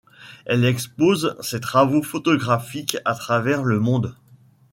Elle expose ses travaux photographiques à travers le monde.